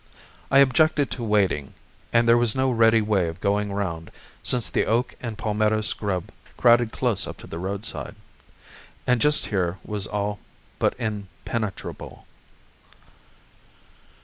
I objected to wading, and there was no ready way of going round, since the oak and palmetto scrub crowded close up to the roadside, and just here was all but impenetrable.